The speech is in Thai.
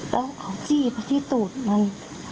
แล้วเขาก็จีดพอที่ตูดมัน